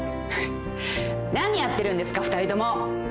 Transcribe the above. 何やってるんですか２人とも。